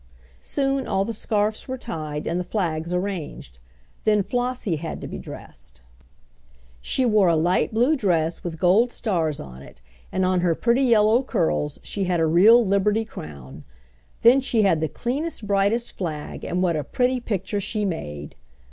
Soon all the scarfs were tied and the flags arranged. Then Flossie had to be dressed. She wore a light blue dress with gold stars on it, and on her pretty yellow curls she had a real Liberty crown. Then she had the cleanest, brightest flag, and what a pretty picture she made!